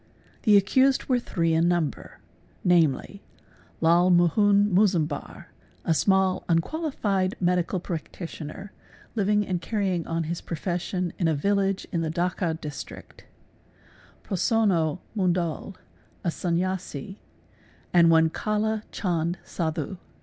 Thi accused were three in number namely Lal Mohun Mozumdar, a smal unqualified medical practitioner, living and carrying on his professioi in a village in the Dacca district, Prosonno Mundul, a Sanyasi, at one Kalla Chand Sadhu.